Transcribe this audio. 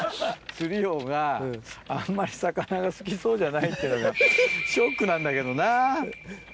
釣り王があんまり魚が好きそうじゃないっていうのがショックなんだけどな。